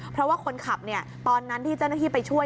เพราะว่าคนขับตอนนั้นที่เจ้าหน้าที่ไปช่วย